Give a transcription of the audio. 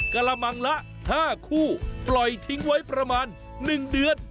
กระมังละ๕คู่ปล่อยทิ้งไว้ประมาณ๑เดือน